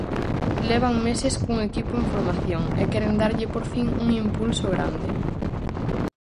Levan meses cun equipo en formación, e queren darlle por fin un impulso grande.